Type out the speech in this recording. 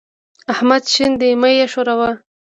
احمد شين دی؛ مه يې ښوروه.